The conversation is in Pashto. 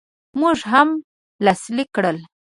موږ هم لاسلیک کړل.